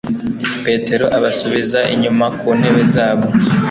Petero abasubiza inyuma ku ntebe zabo